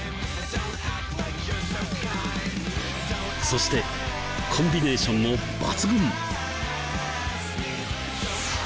そしてコンビネーションも抜群！